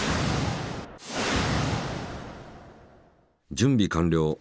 準備完了！